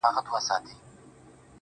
څڼي سرې شونډي تكي تـوري سترگي~